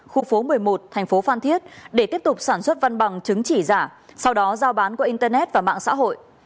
khu phố một mươi một thành phố phan thiết để tiếp tục sản xuất văn bằng chứng chỉ giả sau đó giao bán qua internet và mạng xã hội